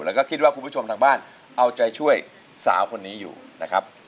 แล้วก็คิดว่าคุณผู้ชมทางบ้านเอาใจช่วยสาวคนนี้อยู่นะครับ